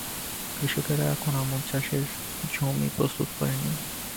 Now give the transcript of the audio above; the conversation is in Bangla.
কৃষকেরা এখনো আমন চাষের জমি প্রস্তুত করেনি।